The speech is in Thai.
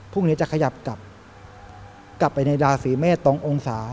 พรุ่งนี้จะขยับกลับไปในราศีเมษ๒องศา